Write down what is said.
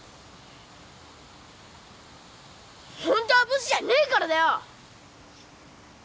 ホントはブスじゃねえからだよ！